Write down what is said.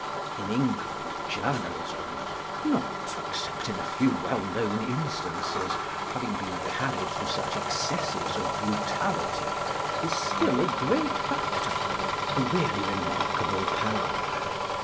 In England, Journalism, not, except in a few well known instances, having been carried to such excesses of brutality, is still a great factor, a really remarkable power.